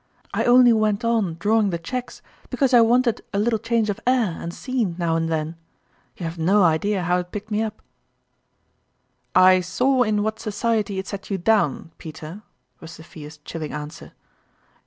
I only went on drawing the cheques because I w r anted a little change of air and scene now and then. You have no idea how it picked me up !"" I saw in what society it set you down, Peter," was Sophia's chilling answer.